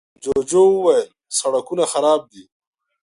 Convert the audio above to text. جوجو وويل، سړکونه خراب دي.